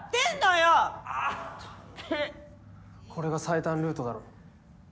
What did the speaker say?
これが最短ルートだろ。